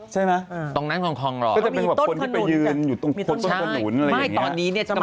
มันก็จะเป็นแบบคนที่ไปยืนอยู่ตรงต้นขนฝนหนุนอะไรอย่างนี้